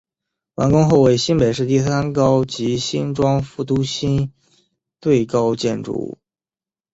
完工后为新北市第三高及新庄副都心最高建筑物。